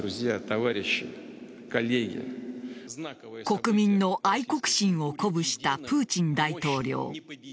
国民の愛国心を鼓舞したプーチン大統領。